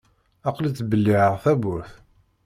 Aql-i ttbelliεeɣ tawwurt.